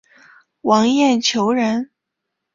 王晏球人。